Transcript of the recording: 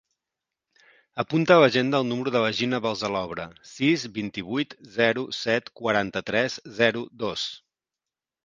Apunta a l'agenda el número de la Gina Balsalobre: sis, vint-i-vuit, zero, set, quaranta-tres, zero, dos.